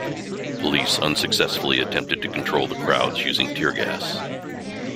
Police unsuccessfully attempted to control the crowds using tear gas.